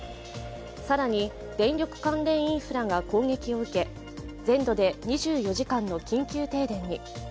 更に、電力関連インフラが攻撃を受け、全土で２４時間の緊急停電に。